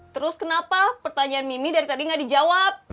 terus kenapa pertanyaan mimie dari tadi gak dijawab